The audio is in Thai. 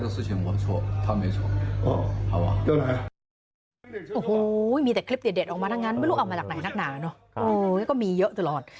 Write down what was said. โอ้โหมีแต่คลิปเด็ดออกมาทั้งงานไม่รู้ออกมาอากาศไหนนักหล่างเนาะ